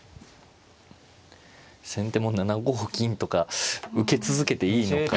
先手も７五銀とか受け続けていいのか。